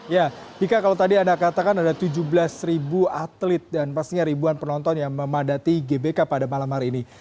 ya dika kalau tadi anda katakan ada tujuh belas ribu atlet dan pastinya ribuan penonton yang memadati gbk pada malam hari ini